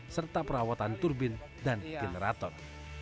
serta perawatan turbin dan generator